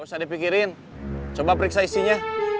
gak usah dipikirin coba periksa isinya